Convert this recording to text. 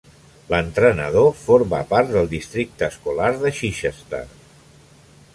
L'entrenador forma part del districte escolar de Chichester.